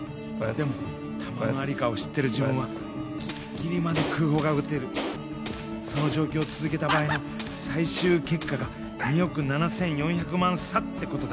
でも弾の在りかを知ってる自分はぎりぎりまで空砲が撃てるその状況を続けた場合の最終結果が２億 ７，４００ 万差ってことだ